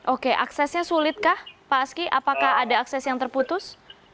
oke aksesnya sulitkah pak aski apakah ada akses yang terputus